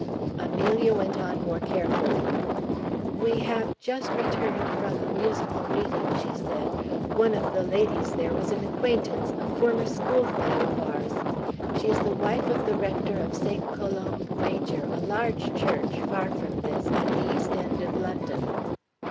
Amelia went on more carefully. "We have just returned from a musical meeting," she said. "One of the ladies there was an acquaintance, a former school fellow of ours. She is the wife of the rector of St. Columb Major a large church, far from this at the East End of London."